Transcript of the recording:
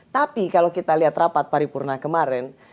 tapi kalau kita lihat rapat paripurna kemarin